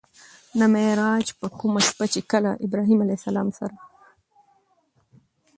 د معراج په کومه شپه چې کله د ابراهيم عليه السلام سره